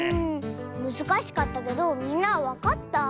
むずかしかったけどみんなはわかった？